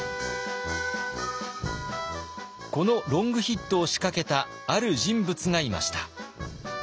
このロングヒットを仕掛けたある人物がいました。